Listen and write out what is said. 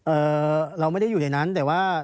เราไม่ได้อยู่ในนั้นแต่ว่า